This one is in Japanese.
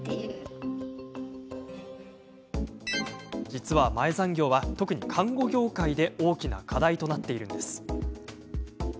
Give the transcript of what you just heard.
実は前残業は、特に看護業界で大きな課題となっているんです。